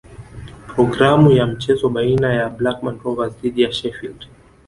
Programu ya mchezo baina ya Blackburn Rovers dhidi ya Sheffield